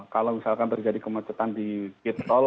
kalau misalkan terjadi kemacetan di gate tol